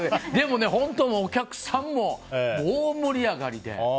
でもね、本当、お客さんも大盛り上がりで。